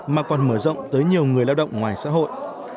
mà còn mở rộng tới nhiều người lao động ngoài xã hội